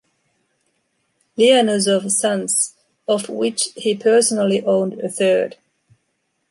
Lianozov Sons, of which he personally owned a third.